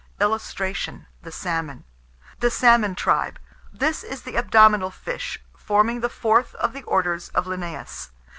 [Illustration: THE SALMON.] THE SALMON TRIBE. This is the Abdominal fish, forming the fourth of the orders of Linnaeus.